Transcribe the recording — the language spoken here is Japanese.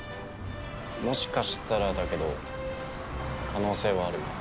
もしかしたらだけど可能性はあるかも。